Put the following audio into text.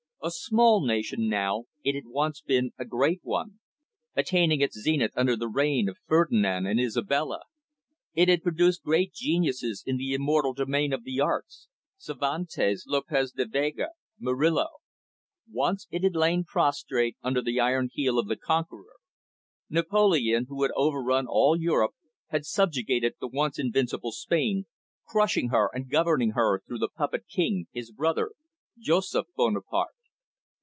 A small nation now, it had once been a great one, attaining its zenith under the reign of Ferdinand and Isabella. It had produced great geniuses in the immortal domain of the arts Cervantes, Lopez de Vega, Murillo. Once it had lain prostrate under the iron heel of the Conqueror. Napoleon, who had overrun all Europe, had subjugated the once invincible Spain, crushing her and governing her through the puppet King, his brother, Joseph Bonaparte.